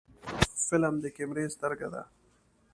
فلم د کیمرې سترګه ده